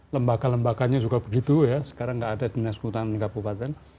lembaga lembaganya juga begitu ya sekarang tidak ada dinas kehutanan kabupaten